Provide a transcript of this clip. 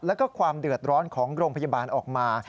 แล้วก็ความเดือดร้อนของโรงพยาบาลออกมา